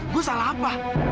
gua salah apa